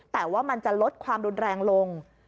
แต่ว่ามันจะลดความรุนแรงลง